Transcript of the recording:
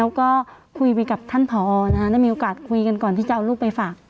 แล้วก็คุยไปกับท่านผอได้มีโอกาสคุยกันก่อนที่จะเอาลูกไปฝาก